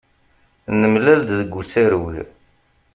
Nemlal-d deg usarug.